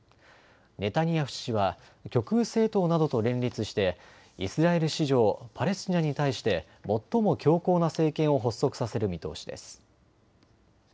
ネタニヤフ氏は極右政党などと連立してイスラエル史上、パレスチナに対して最も強硬な政権を発足させる見通しです。